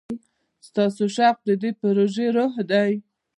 ستاسو شوق د دې پروژې روح دی.